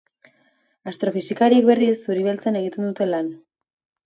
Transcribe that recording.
Astrofisikariek, berriz, zuri beltzean egiten dute lan.